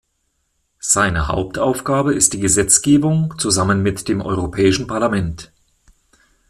Seine Hauptaufgabe ist die Gesetzgebung zusammen mit dem Europäischen Parlament.